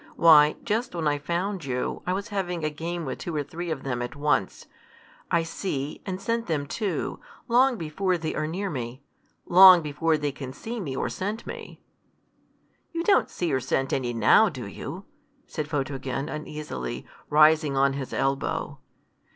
Why, just when I found you, I was having a game with two or three of them at once. I see, and scent them too, long before they are near me long before they can see or scent me." "You don't see or scent any now, do you?" said Photogen, uneasily, rising on his elbow.